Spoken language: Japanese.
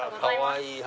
かわいい！